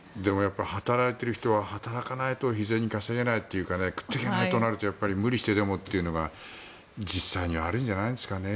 働いている人は働かないと日銭を稼げないというか食っていけないとなると無理してでもとなるのが実際にはあるんじゃないですかね。